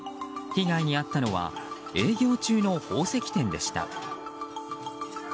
被害に遭ったのは営業中の宝石店でした。